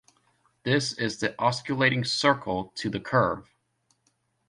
This is the osculating circle to the curve.